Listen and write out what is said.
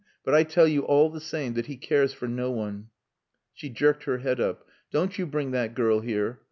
But I tell you all the same that he cares for no one." She jerked her head up. "Don't you bring that girl here.